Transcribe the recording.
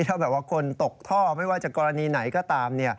ถ้าแบบว่าคนตกท่อไม่ว่าจะกรณีไหนก็ตาม